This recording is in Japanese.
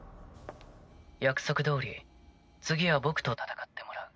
約束どおり次は僕と戦ってもらう。